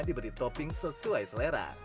diberi topping sesuai selera